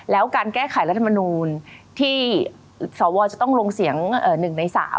แล้วการแก้ไขรัฐมนูลที่สวจะต้องลงเสียง๑ใน๓